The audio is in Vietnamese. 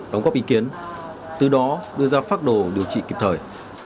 đóng góp ý kiến từ đó đưa ra phác đồ điều trị kịp thời